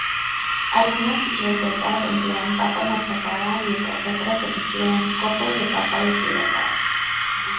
Algunas recetas emplean papa machacada mientras otras emplean copos de papa deshidratada.